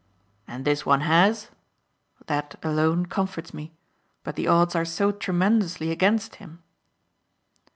"And this one has? That, alone, comforts me. But the odds are so tremendously against him."